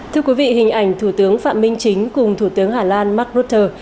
thưa quý vị hình ảnh thủ tướng phạm minh chính cùng thủ tướng hà lan mark rutte